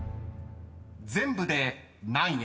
［全部で何円？］